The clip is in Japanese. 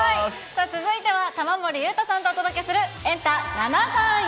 さあ、続いては玉森裕太さんとお届けするエンタ７３４。